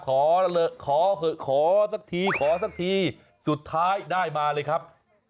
ขอเหอะขอสักทีขอสักทีสุดท้ายได้มาเลยครับ